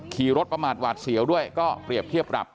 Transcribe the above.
ขี่รถประมาทหวาดเสียวด้วยก็เปรียบเทียบปรับ